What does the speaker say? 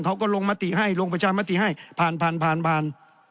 เขาก็ลงมติให้ลงประชามติให้ผ่านผ่านผ่าน